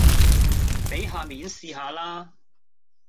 俾下面試下啦